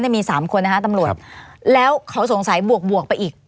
น่าจะมีสามคนนะฮะตำลวดครับแล้วเขาสงสัยบวกบวกไปอีก